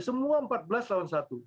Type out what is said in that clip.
semua empat belas lawan satu